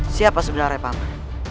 siapa sebenarnya paman